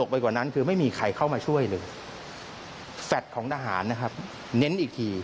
แฟลตของทหารเน้นอีกที